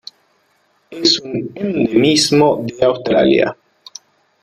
Es un endemismo de Australia